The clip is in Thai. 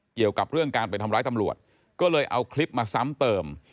เกี่ยวกับเรื่องการไปทำร้ายตำรวจก็เลยเอาคลิปมาซ้ำเติม